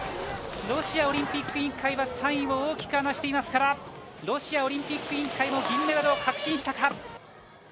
ロシアオリンピック委員会は３位を大きく離していますからロシアオリンピック委員会も銀メダルを確信したか。